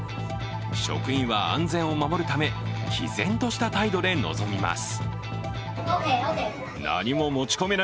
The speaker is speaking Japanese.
職員は安全を守るため毅然とした態度で臨みます。